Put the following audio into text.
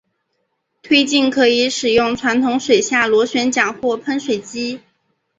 推进可以使用传统水下螺旋桨或喷水机。